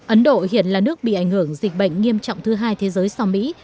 ấn độ hiện là nước bị ảnh hưởng dịch bệnh nghiêm trọng thứ hai thế giới so với mỹ